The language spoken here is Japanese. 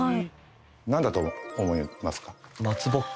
なんだと思いますか？